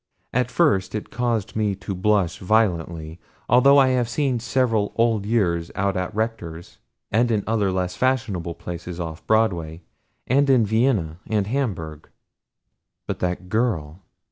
At first it caused me to blush violently although I have seen several Old Years out at Rectors, and in other less fashionable places off Broadway, and in Vienna, and Hamburg. But the girl!